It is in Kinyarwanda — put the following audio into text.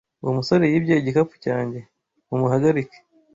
Uwo musore yibye igikapu cyanjye! Mumuhagarike!